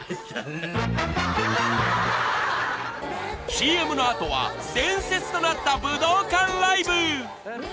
［ＣＭの後は伝説となった武道館ライブ！］